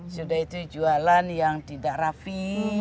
sudah itu jualan yang tidak rapi